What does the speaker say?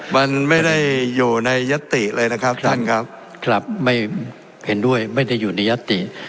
มันไม่ได้อยู่ในยัตติเลยนะครับท่านครับครับไม่เห็นด้วยไม่ได้อยู่ในยัตติ